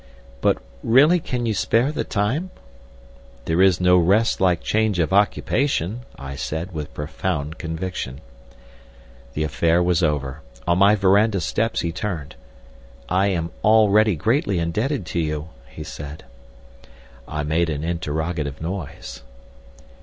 "But really can you spare the time?" "There is no rest like change of occupation," I said, with profound conviction. The affair was over. On my verandah steps he turned. "I am already greatly indebted to you," he said. I made an interrogative noise.